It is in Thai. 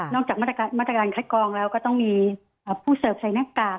จากมาตรการคัดกรองแล้วก็ต้องมีผู้เสิร์ฟใส่หน้ากาก